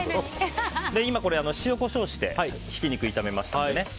塩、コショウしてひき肉を炒めました。